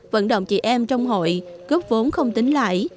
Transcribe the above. vận động chị em trong hội góp vốn không tính lại